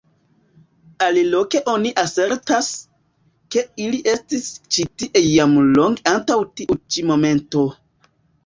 Aliloke oni asertas, ke ili estis ĉi tie jam longe antaŭ tiu ĉi momento.